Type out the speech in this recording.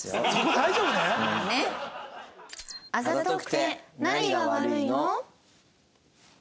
あざとくて何が悪いの？